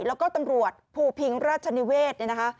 แล้วก็ตำรวจภูพิงราชนิเวศเนี่ยนะคะ